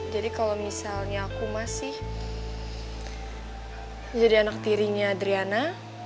jadi kalau misalnya aku masih jadi anak tiri adriana